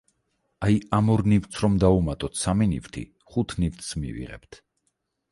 აი ამ ორ ნივთს რომ დავუმატოთ სამი ნივთი ხუთ ნივთს მივიღებთ.